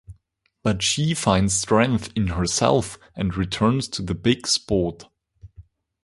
But she finds strength in herself and returns to the big sport.